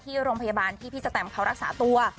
ที่โรงพยาบาลที่พี่สแตมเขารักษาตัว